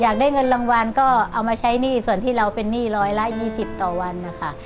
อยากได้เงินรางวัลก็เอามาใช้หนี้ส่วนที่เราเป็นหนี้ร้อยละ๒๐ต่อวันนะคะ